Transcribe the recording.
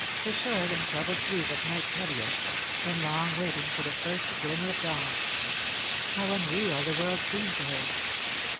A short and troubled sleep at night's heaviest; then long waiting for the first glimmer of dawn. How unreal the world seemed to her!